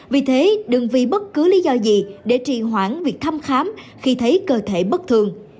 vì thế đừng vì bất cứ lý do gì để trì hoãn việc thăm khám khi thấy cơ thể bất thường